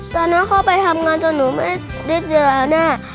ตอนนั้นเขาไปทำงานจนหนูไม่ได้เจอแน่